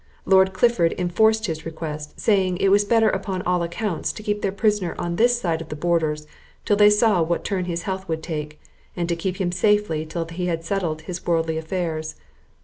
Lord Clifford enforced his request, saying, it was better upon all accounts to keep their prisoner on this side the borders till they saw what turn his health would take, and to keep him safely till he had settled his worldly affairs.